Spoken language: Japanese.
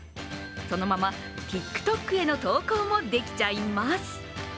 そのままＴｉｋＴｏｋへの投稿もできちゃいます。